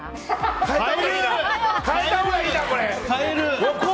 変えたほうがいいな、これ！